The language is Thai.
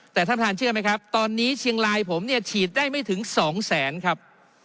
แต่ท่านเชื่อไหมครับตอนนี้เชียงลายผมฉีดได้ไม่ถึง๒๐๐๐๐๐ครับ